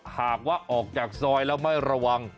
หากว่าออกจากซอยแล้วไม่ระวัง